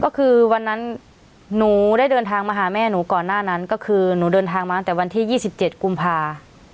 ก็คือวันนั้นหนูได้เดินทางมาหาแม่หนูก่อนหน้านั้นก็คือหนูเดินทางมาตั้งแต่วันที่๒๗กุมภา